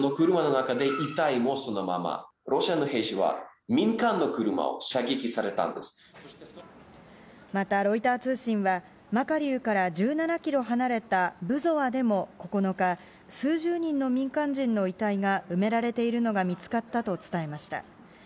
ロシアの兵士は、民間の車を射撃また、ロイター通信は、マカリウから１７キロ離れたブゾワでも９日、数十人の民間人の遺体が埋められているのが見つかったと伝えました。